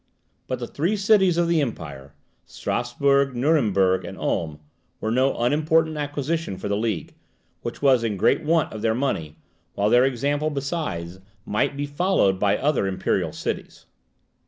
But the three cities of the Empire, Strasburg, Nuremburg, and Ulm, were no unimportant acquisition for the league, which was in great want of their money, while their example, besides, might be followed by other imperial cities.